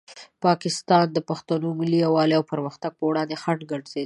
پاکستان د پښتنو ملي یووالي او پرمختګ په وړاندې خنډ ګرځېدلی.